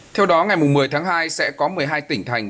theo đó ngày một mươi tháng hai sẽ có một mươi hai tỉnh thành